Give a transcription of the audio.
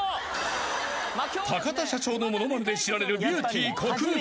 ［田社長のモノマネで知られるビューティーこくぶ］